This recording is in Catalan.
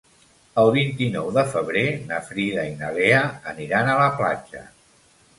El vint-i-nou de febrer na Frida i na Lea aniran a la platja.